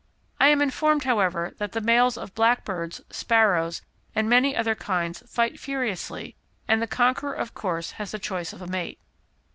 I am informed, however, that the males of blackbirds, sparrows, and many other kinds fight furiously, and the conqueror of course has the choice of a mate.